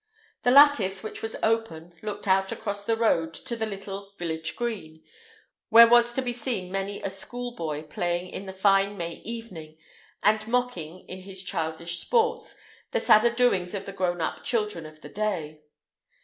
The lattice, which was open, looked out across the road to the little village green, where was to be seen many a schoolboy playing in the fine May evening, and mocking, in his childish sports, the sadder doings of the grown up children of the day.